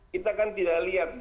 kita kan tidak lihat